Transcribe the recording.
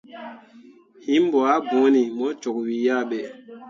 Him ɓo ah bõoni mo cok wii ah ɓe.